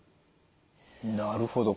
なるほど。